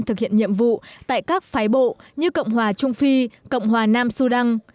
thực hiện nhiệm vụ tại các phái bộ như cộng hòa trung phi cộng hòa nam su đăng